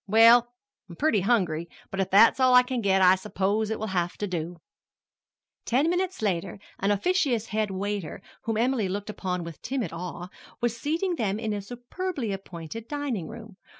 "Well, I'm pretty hungry; but if that's all I can get I suppose it will have to do." Ten minutes later an officious head waiter, whom Emily looked upon with timid awe, was seating them in a superbly appointed dining room.